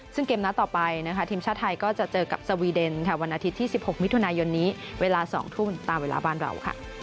ซึ่งเกมนัดต่อไปนะคะทีมชาติไทยก็จะเจอกับสวีเดนวันอาทิตย์ที่๑๖มิถุนายนนี้เวลา๒ทุ่มตามเวลาบ้านเรา